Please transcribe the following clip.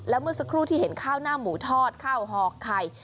เมื่อสักครู่ที่เห็นข้าวหน้าหมูทอดข้าวหอกไข่